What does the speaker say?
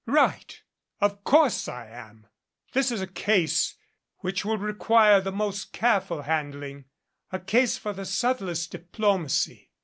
"Right! Of course I am. This is a case which will require the most careful handling a case for the subtlest diplomacy.